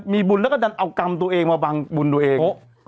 มีบุญแล้วก็ดันเอากรรมตัวเองมาบังบุญตัวเอง